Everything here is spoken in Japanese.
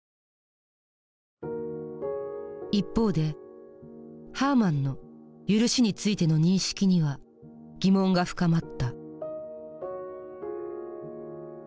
一方でハーマンの赦しについての認識には疑問が深まった。